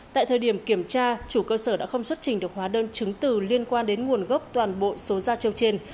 tại thời điểm kiểm tra chủ cơ sở đã không xuất trình được hóa đơn chứng từ liên quan đến nguồn gốc toàn bộ số da trâu trên